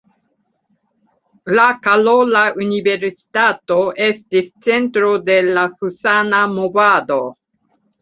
La Karola Universitato estis centro de la husana movado.